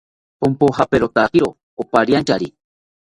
Ponpojaperotakiro opariantyari